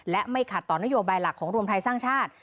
และไม่ขัดต่อนโยบายหลักของรวมไทยสร้างชาติ